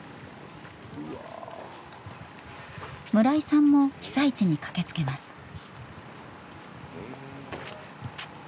村井さんも被災地に駆けつけます。